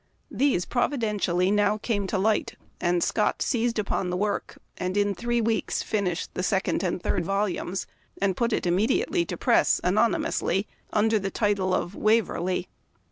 These, providen tially, now came to light, and Scott seized upon the work, and in three weeks finished the second and third volumes, and put it immediately to press anonymously, and under the title of "Waverley."